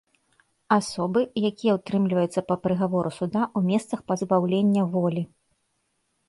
Асобы, якія ўтрымліваюцца па прыгавору суда ў месцах пазбаўлення волі.